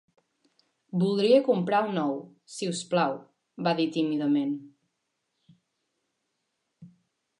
"Voldria comprar un ou, si us plau", va dir tímidament.